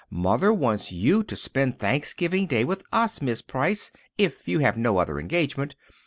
"Mother wants you to spend Thanksgiving Day with us, Miss Price, if you have no other engagement.